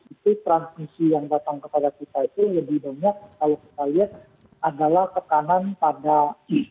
itu transmisi yang datang kepada kita itu lebih banyak kalau kita lihat adalah tekanan pada i